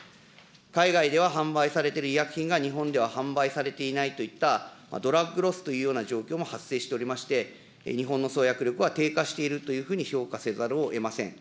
海外では販売されている医薬品が日本では販売されていないといった、ドラッグロスというような状況も発生しておりまして、日本の創薬力は低下しているというふうに評価せざるをえません。